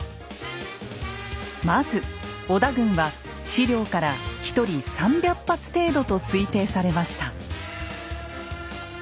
まず織田軍は史料から１人３００発程度と推定されました。